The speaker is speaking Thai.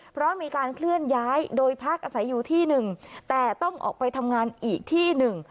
เพราะมีการเคลื่อนย้ายโดยพักอาศัยอยู่ที่หนึ่งแต่ต้องออกไปทำงานอีกที่หนึ่ง